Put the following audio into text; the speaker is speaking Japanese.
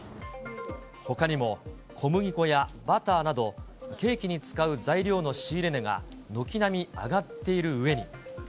ほかにも、小麦粉やバターなど、ケーキに使う材料の仕入れ値が軒並み上がっているうえに。